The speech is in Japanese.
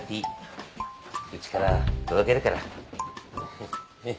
うちから届けるから。